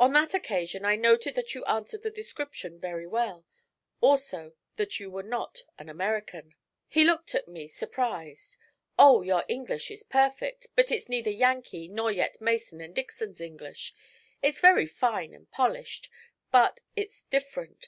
'On that occasion I noted that you answered the description very well, also that you were not an American.' He looked at me surprised. 'Oh, your English is perfect; but it's neither Yankee nor yet Mason and Dixon's English. It's very fine and polished, but it's different.